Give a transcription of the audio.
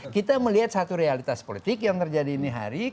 kita melihat satu realitas politik yang terjadi hari ini